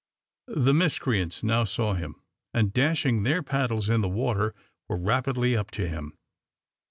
The miscreants now saw him, and dashing their paddles in the water, were rapidly up to him.